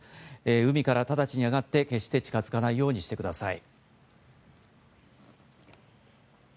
海から直ちに上がって決して近づかないようにしてください。